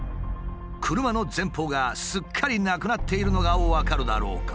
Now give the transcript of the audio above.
車の前方がすっかりなくなっているのが分かるだろうか。